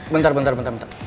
bentar bentar bentar